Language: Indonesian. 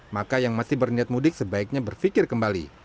maka yang masih berniat mudik sebaiknya berpikir kembali